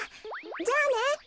じゃあね！